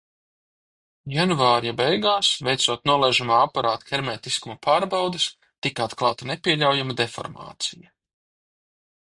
Janvāra beigās, veicot nolaižamā aparāta hermētiskuma pārbaudes, tika atklāta nepieļaujama deformācija.